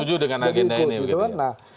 setuju dengan agenda ini gitu kan